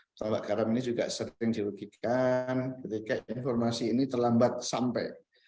pesawat garam ini juga sering dirugikan ketika informasi ini terlambat sampai